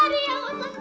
ini gue mau nyantik